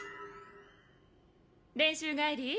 練習帰り？